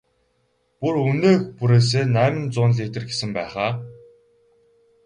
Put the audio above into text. Бүр үнээ бүрээсээ найман зуун литр гэсэн байх аа?